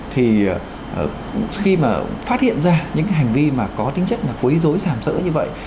thì khi mà phát hiện ra những cái hành vi mà có tính chất là quấy dối xàm sỡ như vậy